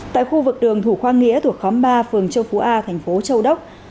tại khu vực đường thủ khoa nghĩa thuộc khóm ba phường châu phú a thành phố châu đốc